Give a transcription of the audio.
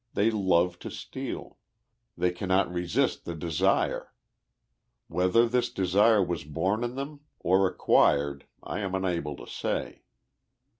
They love to steal ; they cannot re sist the desire. Whether this desire was born in them, or ac quired, I am unable to say.